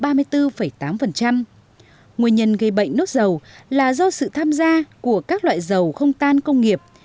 nguyên nhân gây bệnh nước dầu là do sự tham gia của các loại dầu không tan công nghiệp